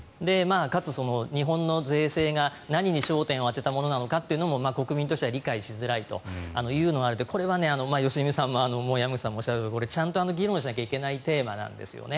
かつ、日本の税制が何に焦点を当てたものかも国民としては理解しづらいというのはあるのでこれは良純さんも山口さんもおっしゃるようにちゃんと議論しなきゃいけないテーマなんですよね。